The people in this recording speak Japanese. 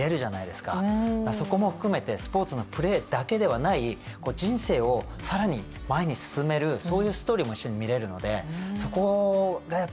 そこも含めてスポーツのプレーだけではない人生を更に前に進めるそういうストーリーも一緒に見れるのでそこがやっぱりね